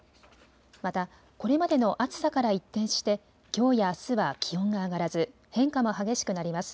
またこれまでの暑さから一転してきょうやあすは気温が上がらず変化も激しくなります。